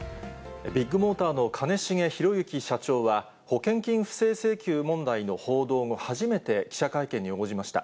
ビッグモーターの兼重宏行社長は、保険金不正請求問題の報道後、初めて記者会見に応じました。